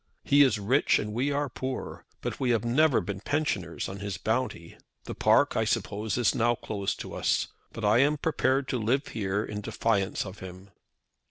He is rich, and we are poor, but we have never been pensioners on his bounty. The park, I suppose, is now closed to us; but I am prepared to live here in defiance of him."